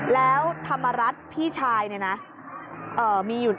แล้วธรรมรัฐพี่ชาย